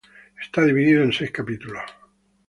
Está dividido en seis capítulos.